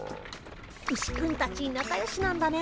ウシくんたちなかよしなんだね。